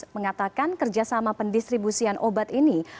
mengatakan kerjasama pendistribusian obat ini